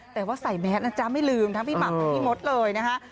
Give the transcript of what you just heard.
แต่ว่าใส่แมสนะจ๊ะไม่ลืมทั้งพี่หม่ำทั้งพี่มดเลยนะคะ